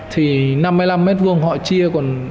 thì năm mươi năm m hai họ chia còn